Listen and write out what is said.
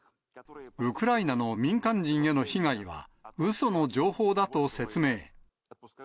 ウクライナの民間人への被害は、うその情報だと説明。